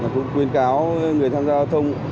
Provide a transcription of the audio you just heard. cũng khuyên cáo người tham gia giao thông